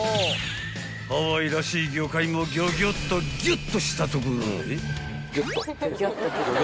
［ハワイらしい魚介もギョギョッとぎゅっとしたところで］